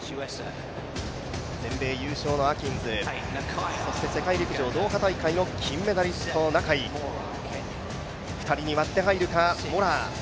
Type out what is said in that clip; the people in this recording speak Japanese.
全米優勝のアキンズ、そして世界陸上ドーハ大会の金メダリスト、ナカイ、２人に割って入るかモラア。